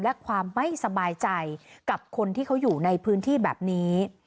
และความไม่สบายใจกับคนที่เขาอยู่ในพื้นที่แบบนี้